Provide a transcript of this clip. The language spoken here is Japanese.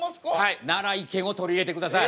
なら意見を取り入れてください。